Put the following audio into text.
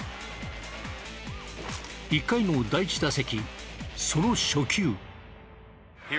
１回の第１打席その初球。